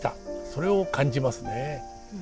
それを感じますね。